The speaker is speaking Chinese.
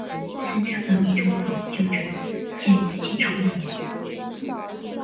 三区革命政府旧址始建于清朝末年。